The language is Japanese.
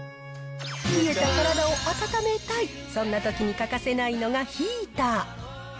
冷えた体を温めたい、そんなときに欠かせないのがヒーター。